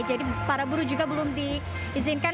jadi para buruk juga belum diizinkan